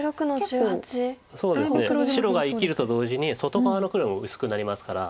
白が生きると同時に外側の黒も薄くなりますから。